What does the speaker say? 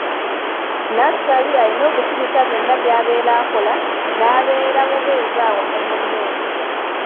Nassali alina okusirisa byonna by'abeera akola n'abeera bubeezi awo ne munne.